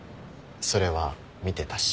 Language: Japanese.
それは見てたし。